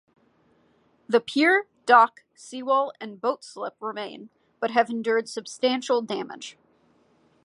The pier, dock, sea wall and boat-slip remain but have endured substantial damage.